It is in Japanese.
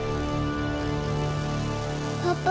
パパ。